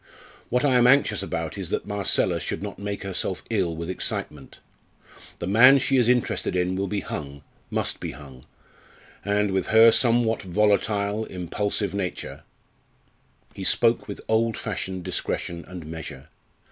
What I am anxious about is that Marcella should not make herself ill with excitement. The man she is interested in will be hung, must be hung; and with her somewhat volatile, impulsive nature " He spoke with old fashioned discretion and measure.